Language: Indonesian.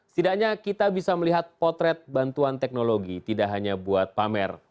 setidaknya kita bisa melihat potret bantuan teknologi tidak hanya buat pamer